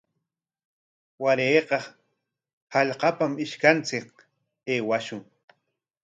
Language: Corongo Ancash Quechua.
Warayqa hallqapam ishkanchik aywashun.